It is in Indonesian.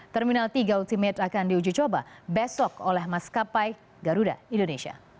terminal tiga ultimate akan diuji coba besok oleh maskapai garuda indonesia